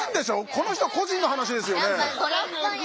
この人個人の話ですよね？